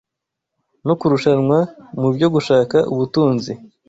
no kurushanwa mu byo gushaka ubutunzi,